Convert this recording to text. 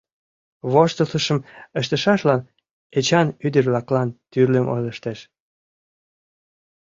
Воштылтышым ыштышашлан Эчан ӱдыр-влаклан тӱрлым ойлыштеш.